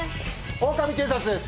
オオカミ警察です